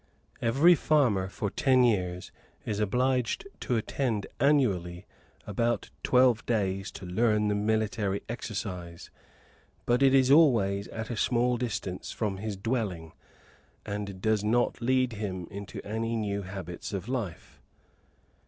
Every farmer for ten years is obliged to attend annually about twelve days to learn the military exercise, but it is always at a small distance from his dwelling, and does not lead him into any new habits of life.